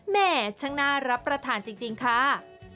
แม่ช่างน่ารับประทานจริงค่ะ